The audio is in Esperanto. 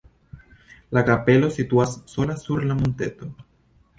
La kapelo situas sola sur monteto.